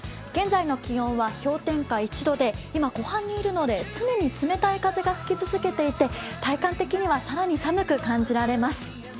現在の気温は氷点下１度で、今湖畔にいるので常に冷たい風が吹き続けていて体感的には更に寒く感じられます